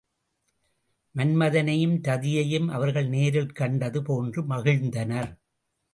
மன்மதனையும் ரதியையும் அவர்கள் நேரில் கண்டது போன்று மகிழ்ந்தனர்.